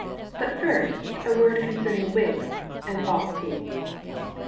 But first a word concerning wigs and false teeth.